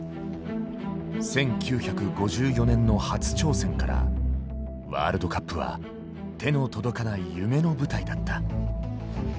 １９５４年の初挑戦からワールドカップは手の届かない夢の舞台だった。